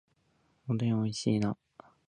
おでん美味しいな